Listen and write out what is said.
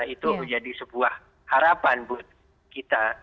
itu menjadi sebuah harapan buat kita